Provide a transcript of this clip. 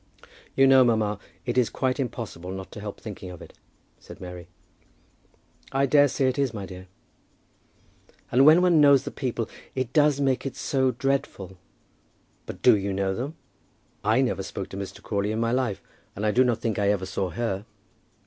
"You know, mamma, it is quite impossible not to help thinking of it," said Mary. "I dare say it is, my dear." "And when one knows the people it does make it so dreadful." "But do you know them? I never spoke to Mr. Crawley in my life, and I do not think I ever saw her."